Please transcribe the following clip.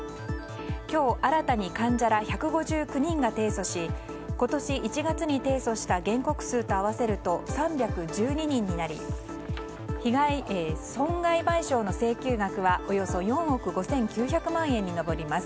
今日新たに患者ら１５９人が提訴し今年１月に提訴した原告数と合わせると３１２人になり損害賠償の請求額はおよそ４億５９００万円に上ります。